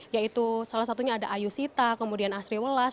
yaitu salah satunya ada ayu sita kemudian asri welas